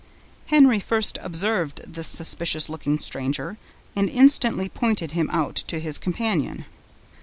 Henry first observed this suspicious looking stranger, and instantly pointed him out to his companion.